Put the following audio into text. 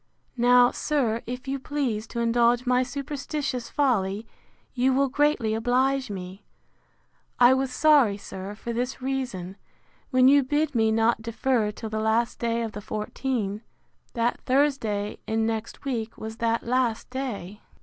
Now, sir, if you please to indulge my superstitious folly, you will greatly oblige me. I was sorry, sir, for this reason, when you bid me not defer till the last day of the fourteen, that Thursday in next week was that last day.